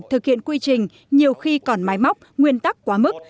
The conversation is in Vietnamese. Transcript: thực hiện quy trình nhiều khi còn máy móc nguyên tắc quá mức